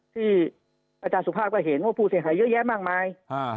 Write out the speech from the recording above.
ที่อาจารย์สุภาพก็เห็นว่าผู้เสียหายเยอะแยะมากมาย